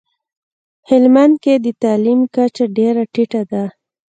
هلمندکي دتعلیم کچه ډیره ټیټه ده